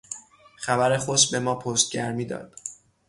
خبر خوش به ما پشتگرمی داد.